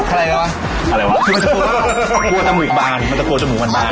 กลัวจมูกบาลกลัวจมูกบาลใช่ไงมันจะโกวจมูกมันได้